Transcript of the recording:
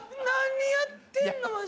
何やってんの？